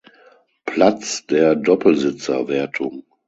Platz der Doppelsitzer-Wertung.